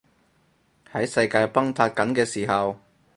喺世界崩塌緊嘅時候